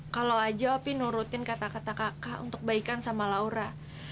kalau aja opi nurutin kata kata kakak untuk baikan sama laura